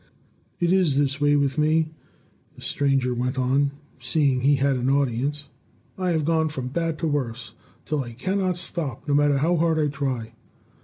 "It is this way with me," the stranger went on, seeing he had an audience: "I have gone from bad to worse till I cannot stop, no matter how hard I try.